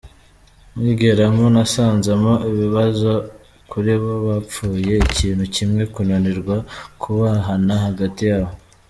Nkigeramo nasanzemo ibibazo kuri bo, bapfuye ikintu kimwe, kunanirwa kubahana hagati yabo.